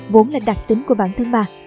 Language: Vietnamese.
vốn là đặc tính của bản thân bà